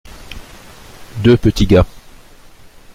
Deux petits gars.